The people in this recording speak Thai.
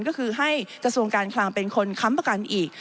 ก็คือให้กระทรวงการคลังเป็นคนค้ำประกันอีก